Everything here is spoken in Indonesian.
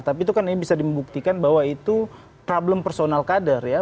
tapi itu kan ini bisa dibuktikan bahwa itu problem personal kader ya